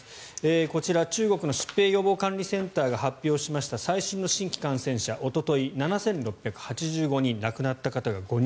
こちら中国の疾病予防管理センターが発表しました最新の新規感染者おととい、７６８５人亡くなった方が５人。